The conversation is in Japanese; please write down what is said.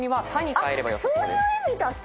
あっそういう意味だったの。